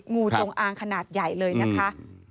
งูจงอางขนาดใหญ่เลยนะคะ